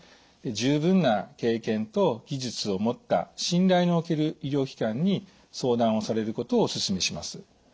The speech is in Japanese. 十分な経験と技術を持った信頼の置ける医療機関に相談をされることをお勧めします。